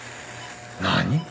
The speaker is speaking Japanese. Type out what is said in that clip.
何！？